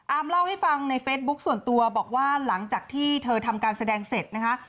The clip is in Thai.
เล่าให้ฟังในเฟซบุ๊คส่วนตัวบอกว่าหลังจากที่เธอทำการแสดงเสร็จนะคะ